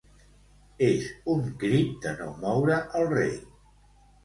És un crit de no moure el rei.